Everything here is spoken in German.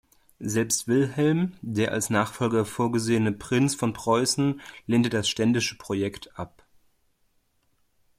Selbst Wilhelm, der als Nachfolger vorgesehene Prinz von Preußen, lehnte das ständische Projekt ab.